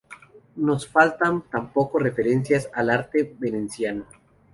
No faltan tampoco referencias al arte veneciano.